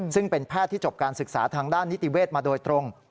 ซึ่งเป็นแพทย์ที่จบการศึกษาทางด้านนิติเวศมาโดยตรง